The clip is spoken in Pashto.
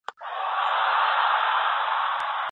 د فاميل ستاينه ډيرې ګټې او حکمتونه لري.